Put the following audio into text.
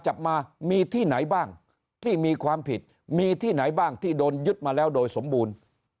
จับมามีที่ไหนบ้างที่มีความผิดมีที่ไหนบ้างที่โดนยึดมาแล้วโดยสมบูรณ์